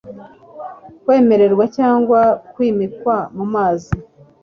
kwemererwa cyangwa kwimikwa mumazi